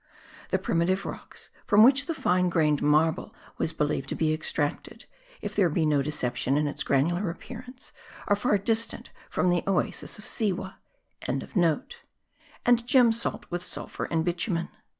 The primitive rocks from which the fine grained marble was believed to be extracted, if there be no deception in its granular appearance, are far distant from the Oasis of Siwa.); and gem salt with sulphur and bitumen.